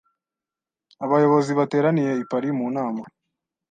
Abayobozi bateraniye i Paris mu nama.